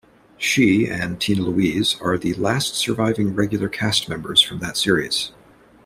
She and Tina Louise are the last surviving regular cast members from that series.